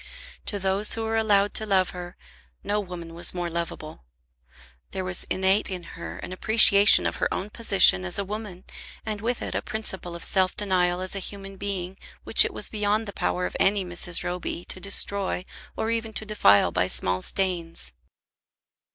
To those who were allowed to love her no woman was more lovable. There was innate in her an appreciation of her own position as a woman, and with it a principle of self denial as a human being, which it was beyond the power of any Mrs. Roby to destroy or even to defile by small stains.